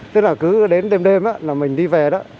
tức là cứ đến đêm đêm là mình đi về đó